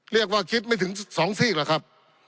เรียกว่าคิดแค่มาถึงสองสี่เหรอครับ